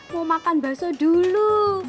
mau makan baso dulu